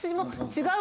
違う。